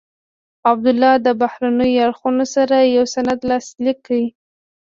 عبدالله له بهرنیو اړخونو سره یو سند لاسلیک کړ.